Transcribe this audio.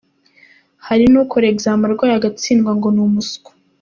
Hari n'ukora examen arwaye agatsindwa ngo ni umuswa.